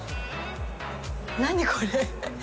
何これ。